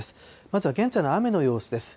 まずは現在の雨の様子です。